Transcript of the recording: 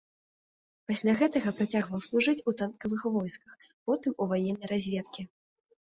Пасля гэтага працягваў служыць у танкавых войсках, потым у ваеннай разведкі.